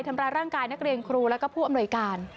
ทำร้ายร่างกายนักเรียนครูแล้วก็ผู้อำนวยการ